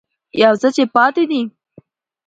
يو څه چې پاتې دي